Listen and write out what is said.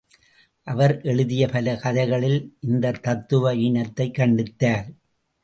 அவர் எழுதிய பல கதைகளில் இந்த தத்துவ ஈனத்தைக் கண்டித்தார்.